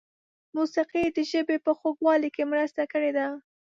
موسیقۍ د ژبې په خوږوالي کې مرسته کړې ده.